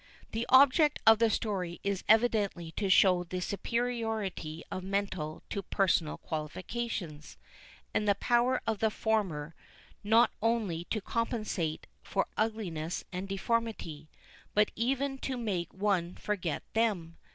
The object of the story is evidently to show the superiority of mental to personal qualifications, and the power of the former not only to compensate for ugliness and deformity, but even to make one forget them.